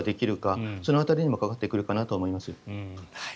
その辺りにもかかってくるかと思います。